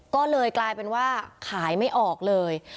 ก็เลยกลายเป็นว่าขายไม่ออกเลย